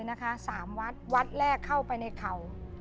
มีไว้กระวังสำมารถสามวัดวัดแรกเข้าไปในเขา